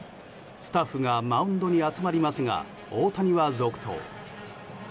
スタッフがマウンドに集まりますが、大谷は続投。